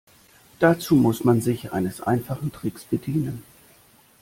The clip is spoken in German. Dazu muss man sich eines einfachen Tricks bedienen.